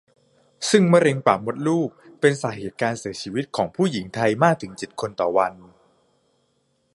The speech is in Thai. ซึ่งมะเร็งปากมดลูกเป็นสาเหตุการเสียชีวิตของผู้หญิงไทยมากถึง เจ็ด คนต่อวัน